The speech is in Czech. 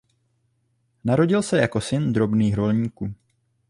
Narodil se jako syn drobných rolníků.